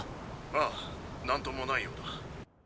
ああなんともないようだ。